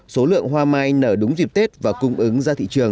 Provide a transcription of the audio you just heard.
số lượng hoa mai nở đúng dịp tết và cung ứng ra thị trường